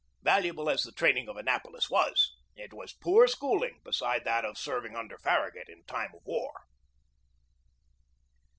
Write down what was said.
Valuable as the training of Annapolis was, it was poor schooling beside that of serving under Farragut in time of war.